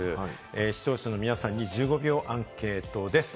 視聴者の皆さんに１５秒アンケートです。